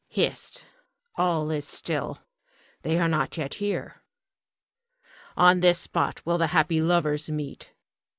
Hist! All is still. They are not yet here. On this spot will the happy lovers meet.